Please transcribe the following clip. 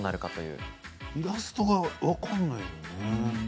イラストが分からないのよね。